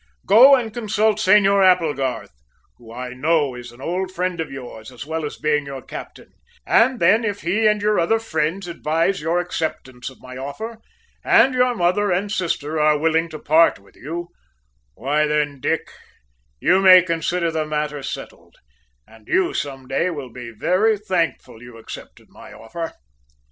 Go and consult Senor Applegarth, who I know is an old friend of yours as well as being your captain; and then, if he and your other friends advise your acceptance of my offer, and your mother and sister are willing to part with you why then, Dick, you may consider the matter settled, and you, some day, will be very thankful you accepted my offer."